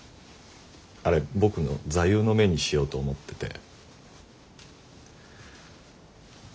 あれ僕の座右の銘にしようと思ってて。